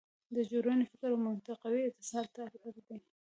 د جوړونې فکر او منطقوي اتصال ته اړ دی.